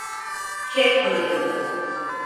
Çek kılıcını!